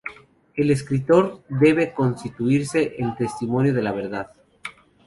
El escritor debe constituirse en testimonio de la verdad".